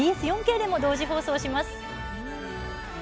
ＢＳ４Ｋでも同時放送します。